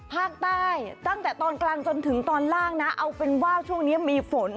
ภาคใต้ตั้งแต่ตอนกลางจนถึงตอนล่างนะเอาเป็นว่าช่วงนี้มีฝน